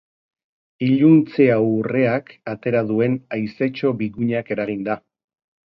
Iluntze aurreak atera duen haizetxo bigunak eraginda.